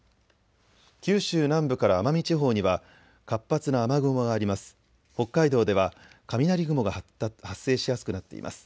九州南部から奄美地方には活発な雨雲があります。